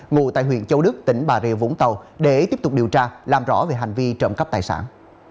ngụ tại huyện châu đức tỉnh bà rịa vũng tàu để tiếp tục điều tra làm rõ về hành vi trộm cắp tài sản